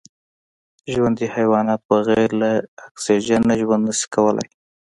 ژوندي حیوانات بغیر له اکسېجنه ژوند نشي کولای